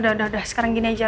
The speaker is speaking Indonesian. udah udah sekarang gini aja